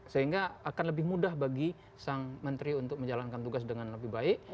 sehingga akan lebih mudah bagi sang menteri untuk menjalankan tugas dengan lebih baik